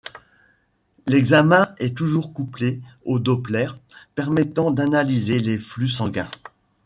L'examen est toujours couplé au doppler permettant d'analyser les flux sanguins.